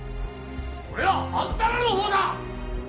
それはあんたらのほうだ！